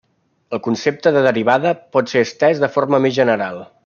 El concepte de derivada pot ser estès de forma més general.